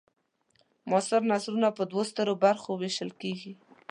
معاصر نثرونه په دوو سترو برخو وېشل کیږي.